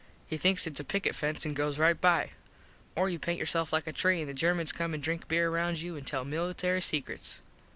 He thinks its a picket fence an goes right by. Or you paint yourself like a tree an the Germans come an drink beer round you an tell military sekruts.